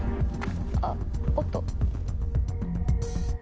あっおっと。